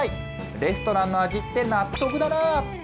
レストランの味って、納得だなぁ。